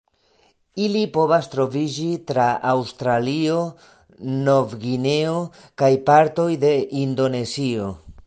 Ili povas troviĝi tra Aŭstralio, Novgvineo, kaj partoj de Indonezio.